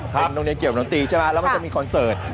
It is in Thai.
เป็นโรงเรียนเกี่ยวกับดนตรีแล้วมันจะมีคอนเสิร์ต